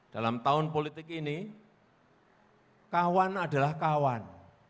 dalam tahun politik ini kawan adalah kawan